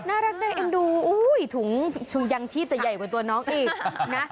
น่ารักน่าเอ็นดูอุ้ยถุงชูยังชีพแต่ใหญ่กว่าตัวน้องอีกนะ